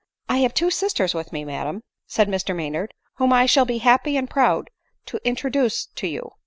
" I have two sisters with me, madam," said Mr May nard, " whom I shall be happy and proud to introduce to you.